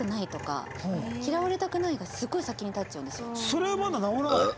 それはまだ直らないの？